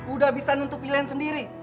udah bisa nentuh pilihan sendiri